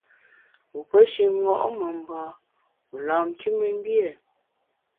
Wu pe shi ṅo’ memba, wu lam nkümengbié ?